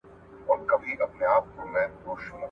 • ځان ژوندی، جهان ژوندی؛ چي ځان مړ سو، جهان مړ سو.